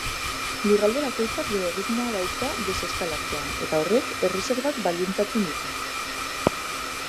Lurralde bakoitzak bere erritmoa dauka deseskalatzean, eta horrek erreserbak baldintzatzen ditu.